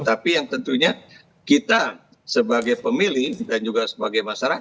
tapi yang tentunya kita sebagai pemilih dan juga sebagai masyarakat